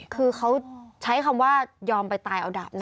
คือเขาใช้คำว่ายอมไปตายเอาดับนะ